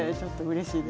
うれしい。